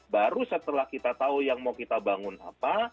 baru setelah kita tahu yang mau kita bangun apa